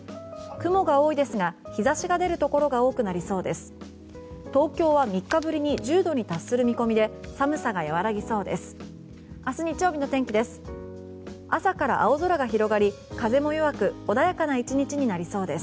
雲が多いですが日差しが出るところが多くなりそうです。